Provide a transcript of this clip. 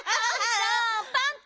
パンタ！